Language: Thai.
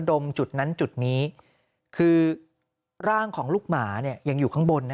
มจุดนั้นจุดนี้คือร่างของลูกหมายังอยู่ข้างบนนะ